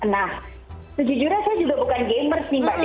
nah sejujurnya saya juga bukan gamers nih mbak nih